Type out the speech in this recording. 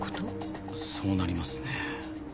そうなりますね。